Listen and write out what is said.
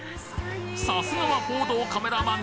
さすがは報道カメラマン！